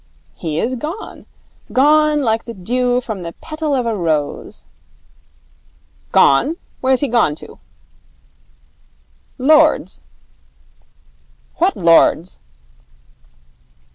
'He is gone. Gone like the dew from the petal of a rose.' 'Gone! Where's he gone to?' 'Lord's.' 'What lord's?'